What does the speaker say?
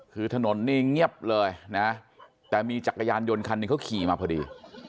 คือถนนนี่เงียบเลยนะแต่มีจักรยานยนต์คันหนึ่งเขาขี่มาพอดี